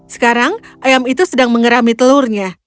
sekarang ayam itu sedang mengerami telurnya